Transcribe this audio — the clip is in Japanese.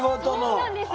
そうなんです。